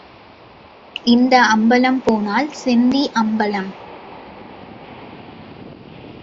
இந்த அம்பலம் போனால் செந்தி அம்பலம்.